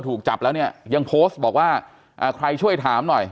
ถูกจับแล้วเนี่ยยังโพสต์บอกว่าอ่าใครช่วยถามหน่อย